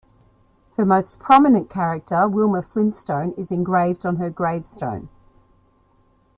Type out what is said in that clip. Her most prominent character Wilma Flintstone is engraved on her gravestone.